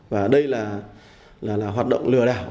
và đây là hoạt động lừa đảo